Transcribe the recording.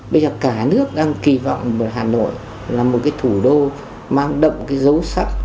bây giờ cả nước đang kỳ vọng hà nội là một thủ đô mang đậm dấu sắc